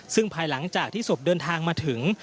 ซึ่งภายหลังจากที่ศพเดินทางมาถึง